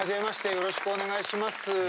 よろしくお願いします。